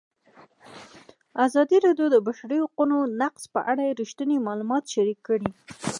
ازادي راډیو د د بشري حقونو نقض په اړه رښتیني معلومات شریک کړي.